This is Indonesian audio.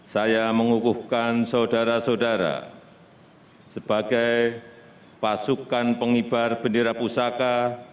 saya mengukuhkan saudara saudara sebagai pasukan pengibar bendera pusaka